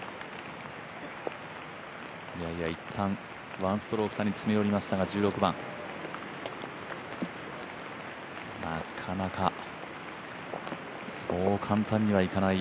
１ストローク差に詰め寄りましたが、１６番、なかなかそう簡単にはいかない